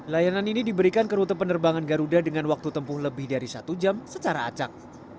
layanan ini diberikan ke rute penerbangan garuda dengan waktu tempuh lebih dari satu jam secara acak